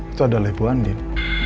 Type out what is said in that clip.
itu adalah ibu andin